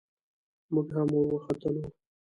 موږ هم ور وختلو.